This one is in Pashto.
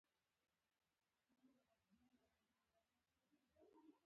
ما وویل چې په جبهه کې وم همداسې مې کول.